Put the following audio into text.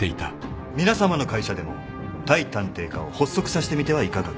皆さまの会社でも対探偵課を発足させてみてはいかがかと。